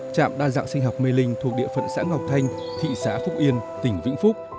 trạm đa dạng sinh học mê linh thuộc địa phận xã ngọc thanh thị xã phúc yên tỉnh vĩnh phúc